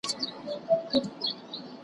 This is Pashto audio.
هم د پېغلوټو هم جینکیو .